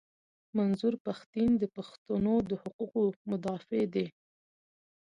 منظور پښتین د پښتنو د حقوقو مدافع دي.